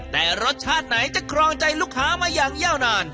แต่รสชาติไหนจะครองใจลูกค้ามาอย่างยาวนาน